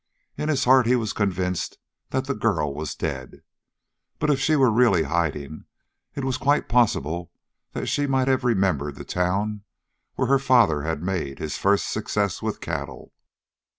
In his heart he was convinced that the girl was dead, but if she were really hiding it was quite possible that she might have remembered the town where her father had made his first success with cattle.